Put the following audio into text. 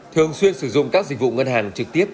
thường xuyên sử dụng các dịch vụ ngân hàng trực tiếp